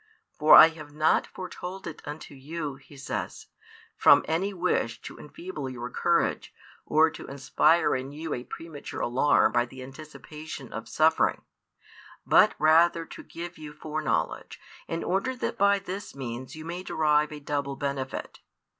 For I have not foretold it unto you, He says, from any wish to enfeeble your courage or to inspire in you a premature alarm by the anticipation of suffering, but rather to give you foreknowledge, in order that by this means you may derive a double benefit.